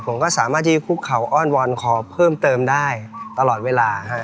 ผมก็สามารถที่คุกเขาอ้อนวอนขอเพิ่มเติมได้ตลอดเวลา